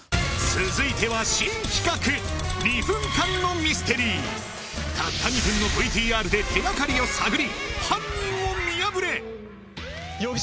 続いては新企画たった２分のＶＴＲで手がかりを探り犯人を見破れ！